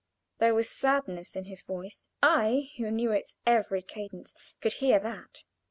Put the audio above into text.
There was sadness in his voice. I, who knew its every cadence, could hear that.